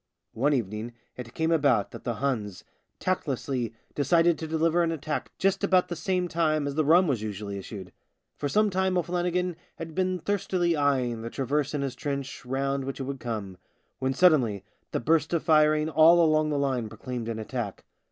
One evening it came about that the Huns tactlessly decided to deliver an attack just about the same time as the rum was usually issued. For some time O'Flannigan had been thirstily eyeing the traverse in his trench round which it would come — when suddenly the burst of firing all along the line proclaimed an attack.